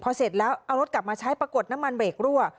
พอเสร็จแล้วเอารถกลับมาใช้ปรากฏน้ำมันเบรกรั่ว